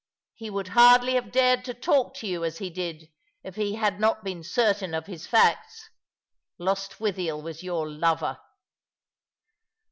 He would hardly have dared to talk to you as he did if he had not been certain of his facts. Lostwithiel was your lover."